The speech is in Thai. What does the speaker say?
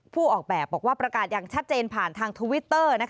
ออกแบบบอกว่าประกาศอย่างชัดเจนผ่านทางทวิตเตอร์